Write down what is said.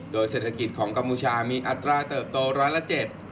โดยเศรษฐกิจของกัมพูชามีอัตราเติบโตร้อยละเจ็ด